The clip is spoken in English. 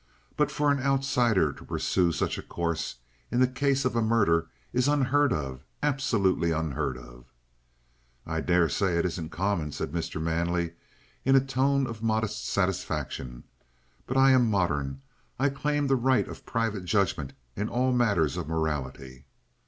But for an outsider to pursue such a course in the case of a murder is unheard of absolutely unheard of." "I daresay it isn't common," said Mr. Manley in a tone of modest satisfaction. "But I am modern; I claim the right of private judgment in all matters of morality."